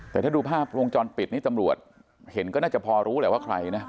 แต่ถ้าดูภาพวงจรปิดนี่ตำรวจเห็นก็น่าจะพอรู้แหละว่าใครนะ